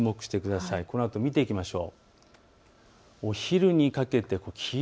さらにこのあと見ていきましょう。